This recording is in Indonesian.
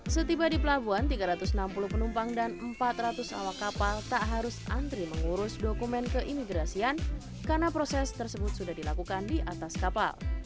setiba di pelabuhan tiga ratus enam puluh penumpang dan empat ratus awak kapal tak harus antri mengurus dokumen keimigrasian karena proses tersebut sudah dilakukan di atas kapal